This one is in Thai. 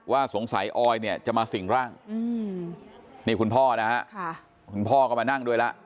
สงสัยออยเนี่ยจะมาสิ่งร่างนี่คุณพ่อนะฮะคุณพ่อก็มานั่งด้วยแล้ว